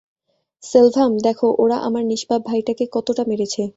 সেলভাম, দেখ ওরা আমার নিষ্পাপ ভাইটাকে কতটা মেরেছে!